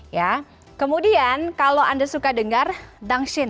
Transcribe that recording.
ya kemudian kalau anda suka dengar dungshin